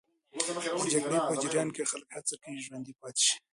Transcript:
د جګړې په جریان کې خلک هڅه کوي ژوندي پاتې سي.